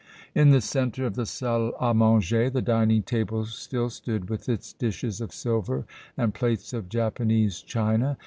In the centre of the salle à manger the dining table still stood with its dishes of silver and plates of Japanese china.